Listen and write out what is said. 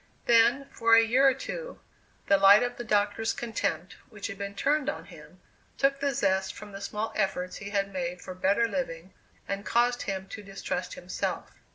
Then, for a year or two, the light of the doctor's contempt, which had been turned on him, took the zest from the small efforts he had made for better living and caused him to distrust himself.